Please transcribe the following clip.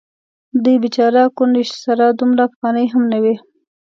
دې بیچارګۍ کونډې سره دومره افغانۍ هم نه وې.